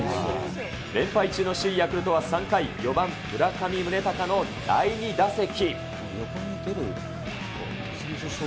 連敗中の首位ヤクルトは３回、４番村上宗隆の第２打席。